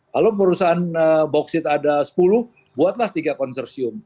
kalau perusahaan boksit ada sepuluh buatlah tiga konsorsium